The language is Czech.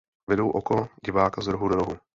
Vedou oko diváka z rohu do rohu.